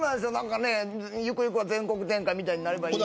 ゆくゆくは全国展開みたいになればいいなと。